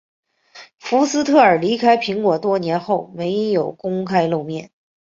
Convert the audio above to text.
福斯特尔离开苹果多年后没有公开露面。